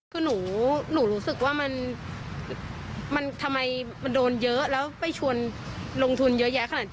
คือหนูรู้สึกว่ามันทำไมมันโดนเยอะแล้วไปชวนลงทุนเยอะแยะขนาดนี้